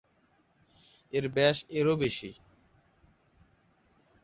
এর ব্যাস -এরও বেশি।